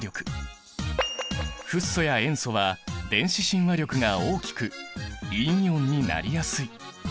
フッ素や塩素は電子親和力が大きく陰イオンになりやすい。